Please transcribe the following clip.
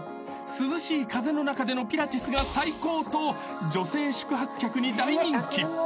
［涼しい風の中でのピラティスが最高と女性宿泊客に大人気］